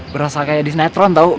berasa kayak disneytron tau